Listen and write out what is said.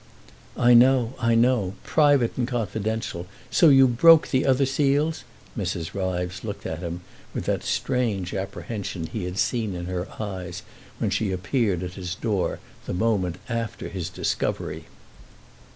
"I know—I know; 'private and confidential.' So you broke the other seals?" Mrs. Ryves looked at him with the strange apprehension he had seen in her eyes when she appeared at his door the moment after his discovery.